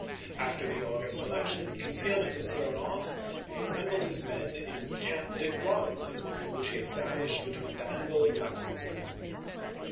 After the August election con cealment was thrown off, and he assembled his men in "Camp Dick Robinson," which he established between Danville and Lexington.